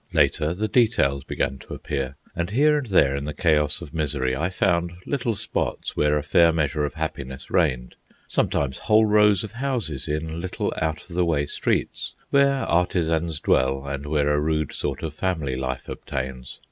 Later the details began to appear, and here and there in the chaos of misery I found little spots where a fair measure of happiness reigned—sometimes whole rows of houses in little out of the way streets, where artisans dwell and where a rude sort of family life obtains.